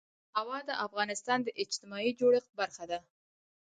هوا د افغانستان د اجتماعي جوړښت برخه ده.